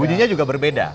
bunyinya juga berbeda